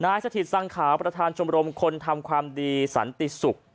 สถิตสังขาวประธานชมรมคนทำความดีสันติศุกร์